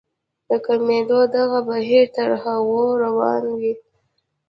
د کمېدو دغه بهير تر هغو روان وي.